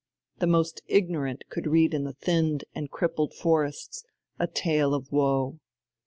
The most ignorant could read in the thinned and crippled forests a tale of woe.